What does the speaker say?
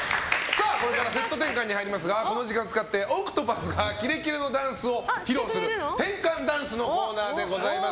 これからセット転換に入りますがこの時間を使ってＯＣＴＰＡＴＨがキレキレのダンスを披露する転換ダンスのコーナーでございます。